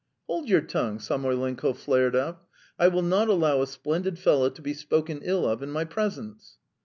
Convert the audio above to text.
"Hold your tongue!" Samoylenko flared up. "I will not allow a splendid fellow to be spoken ill of in my presence!"